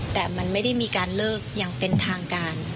แต่มันไม่ได้มีการเลิกอย่างเป็นทางการ